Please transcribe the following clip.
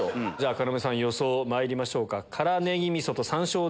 要さん予想まいりましょうか。